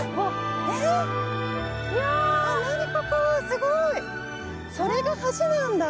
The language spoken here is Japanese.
えっ何ここすごい！それが橋なんだ！